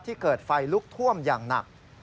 เกิดไฟลุกท่วมอย่างหนัก